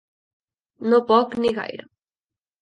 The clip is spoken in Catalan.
No poc ni gaire.